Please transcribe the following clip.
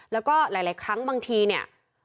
แล้วก็หลายครั้งบางทีเนี่ย